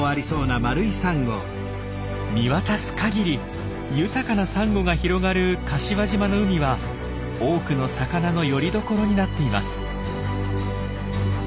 見渡す限り豊かなサンゴが広がる柏島の海は多くの魚のよりどころになっています。